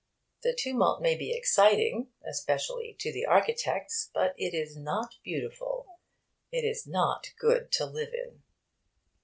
The tumult may be exciting, especially to the architects, but it is not beautiful. It is not good to live in.